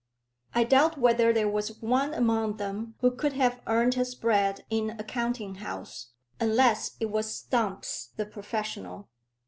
I doubt whether there was one among them who could have earned his bread in a counting house, unless it was Stumps the professional.